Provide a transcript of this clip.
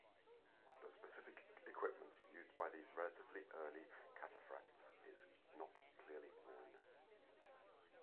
The specific equipment used by these relatively early cataphracts is not clearly known.